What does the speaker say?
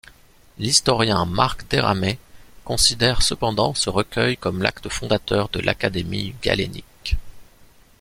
L'historien Marc Deramaix considère cependant ce recueil comme l'acte fondateur de l'Académie galénique.